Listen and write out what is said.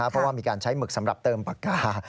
เพราะว่ามีการใช้หมึกสำหรับเติมปากกา